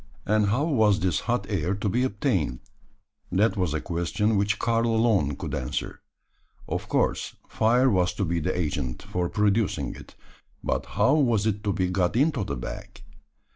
And how was this hot air to be obtained? That was a question which Karl alone could answer. Of course, fire was to be the agent for producing it: but how was it to be got into the bag?